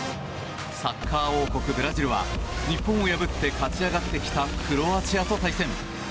サッカー王国ブラジルは日本を破って勝ち上がってきたクロアチアと対戦。